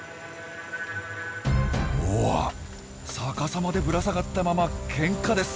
うわっ逆さまでぶら下がったままケンカです！